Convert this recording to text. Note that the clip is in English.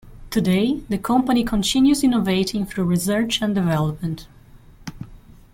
Today, the company continues innovating through research and development.